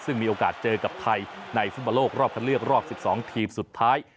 ซึ่งมีโอกาสเจอกับไทยในฟุตบอลโลกรอบคันเลือกรอบ๑๒ทีมสุดท้าย